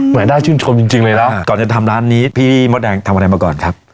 น่าชื่นชมจริงเลยเนอะก่อนจะทำร้านนี้พี่มดแดงทำอะไรมาก่อนครับ